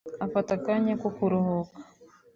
afata akanya ko kuruhuka